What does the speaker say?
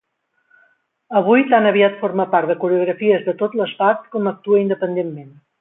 Avui tan aviat forma part de coreografies de tot l'esbart com actua independentment.